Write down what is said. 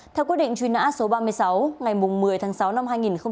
theo quyết định truy nã số ba mươi sáu ngày một mươi tháng sáu năm hai nghìn một mươi bảy